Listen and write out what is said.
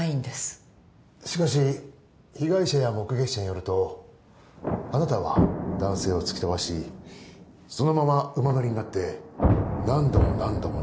・しかし被害者や目撃者によるとあなたは男性を突き飛ばしそのまま馬乗りになって何度も何度も殴りつけたと。